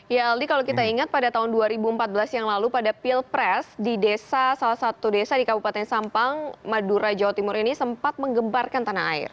ya aldi kalau kita ingat pada tahun dua ribu empat belas yang lalu pada pilpres di desa salah satu desa di kabupaten sampang madura jawa timur ini sempat mengembarkan tanah air